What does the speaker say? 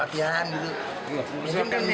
dan sekarang ini lebih memperdakwa saja